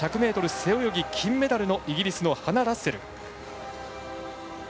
背泳ぎ金メダルのイギリスのハナ・ラッセル。